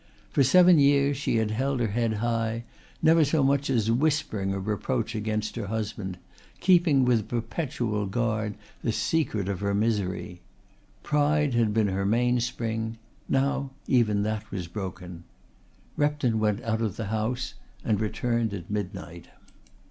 For seven years she had held her head high, never so much as whispering a reproach against her husband, keeping with a perpetual guard the secret of her misery. Pride had been her mainspring; now even that was broken. Repton went out of the house and returned at midnight.